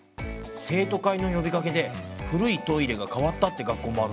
生徒会の呼びかけで古いトイレが変わったって学校もあるんだって。